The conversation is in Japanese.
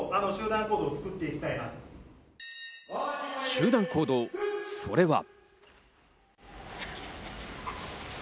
集団行動、それは。